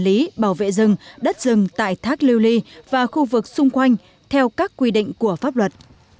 lý bảo vệ rừng đất rừng tại thác liêu ly và khu vực xung quanh theo các quy định của pháp luật